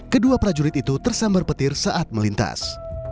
kedua prajurit itu tersambar petir saat melintas